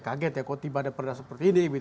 kaget ya kok tiba ada perda seperti ini